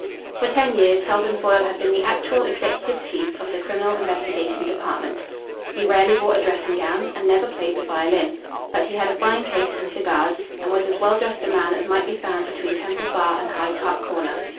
For ten years Heldon Foyle had been the actual executive chief of the Criminal Investigation Department. He rarely wore a dressing gown and never played the violin. But he had a fine taste in cigars, and was as well dressed a man as might be found between Temple Bar and Hyde Park Corner.